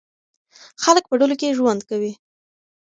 خلک په ډلو کې ژوند کوي.